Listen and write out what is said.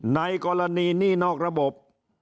ในกรณีหนี้นอกระบบ